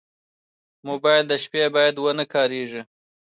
موبایل د شپې باید ونه کارېږي.